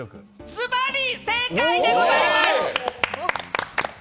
ズバリ正解でございます！